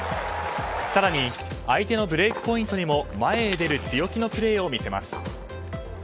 更に相手のブレークポイントにも前へ出る強気のプレーを見せます。